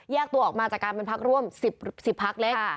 ตัวออกมาจากการเป็นพักร่วม๑๐พักเล็ก